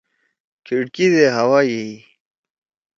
کھِڑکی دے ہوا یئی۔